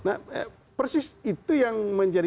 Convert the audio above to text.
nah persis itu yang menjadi